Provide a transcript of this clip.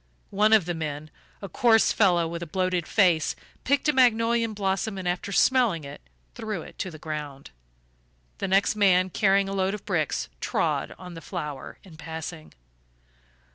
One of the men, a coarse fellow with a bloated face, picked a magnolia blossom and, after smelling it, threw it to the ground; the next man, carrying a load of bricks, trod on the flower in passing.